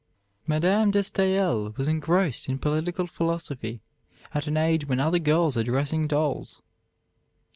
Madame de Staël was engrossed in political philosophy at an age when other girls are dressing dolls.